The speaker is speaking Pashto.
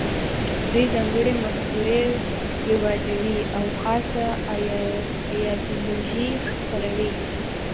دوی ځانګړې مفکورې رواجوي او خاصه ایدیالوژي خپروي